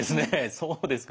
そうですか。